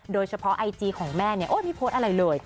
โดยเฉพาะไอจีของแม่โอ้มีโพสต์อะไรเลย